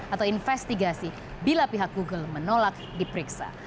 atau investigasi bila pihak google menolak diperiksa